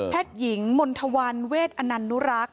แพทย์หญิงมณฑวรรณเวทอนันนุรักษ์